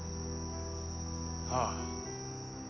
ああ。